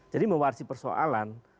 jadi mewarisi persoalan